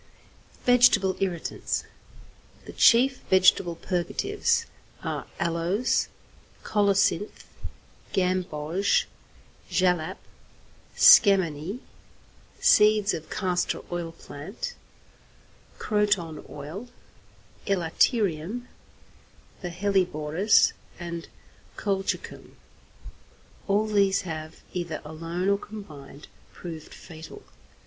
XXVIII. VEGETABLE IRRITANTS The chief vegetable purgatives are aloes, colocynth, gamboge, jalap, scammony, seeds of castor oil plant, croton oil, elaterium, the hellebores, and colchicum. All these have, either alone or combined, proved fatal.